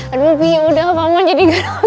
aduh bi udah pak man jadi gara gara